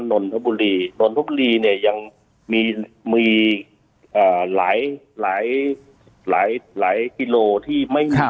นนทบุรีนนทบุรีเนี้ยยังมีอ่าหลายหลายหลายหลายกิโลที่ไม่มี